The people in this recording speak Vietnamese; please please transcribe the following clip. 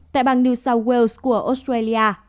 tại bang new south wales của australia